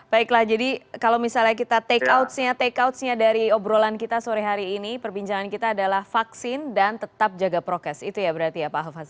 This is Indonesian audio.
baiklah jadi kalau misalnya kita take out nya take out nya dari obrolan kita sore hari ini perbincangan kita adalah vaksin dan tetap jaga prokes itu ya berarti ya pak hafaz